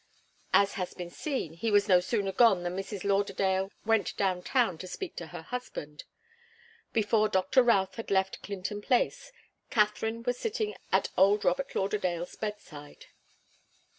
As has been seen, he was no sooner gone than Mrs. Lauderdale went down town to speak to her husband. Before Doctor Routh had left Clinton Place, Katharine was sitting at old Robert Lauderdale's bedside.